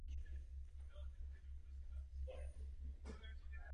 Je jasné, že pedofilové neplatí hotově, ale kreditními kartami.